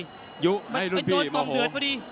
โอ้โหโดดตอบเดือดพอดี